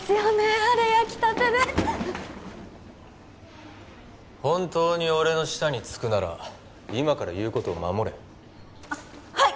あれ焼きたてで本当に俺の下につくなら今から言うことを守れはいっ